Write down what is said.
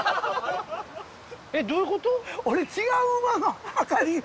えっどういうこと？